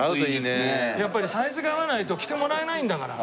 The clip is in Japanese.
やっぱりサイズが合わないと着てもらえないんだから。